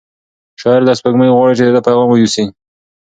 شاعر له سپوږمۍ غواړي چې د ده پیغام یوسي.